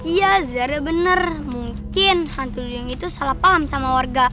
iya zara bener mungkin hantu duyung itu salah paham sama warga